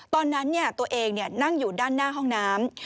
ตอนนั้นตัวเองนั่งอยู่ด้านหน้าห้องน้ำ